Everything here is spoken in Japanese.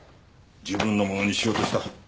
自分のものにしようとした。